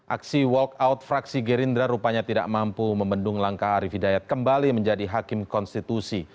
aksi walkout fraksi gerindra rupanya tidak mampu membendung langkah arief hidayat kembali menjadi hakim konstitusi